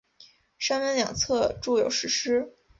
山门两侧筑有石狮。